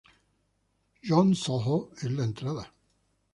Yog-Sothoth es la entrada.